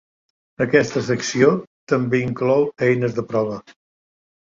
Aquesta secció també inclou eines de prova.